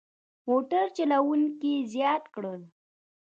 موټر چلوونکي زیاته کړه.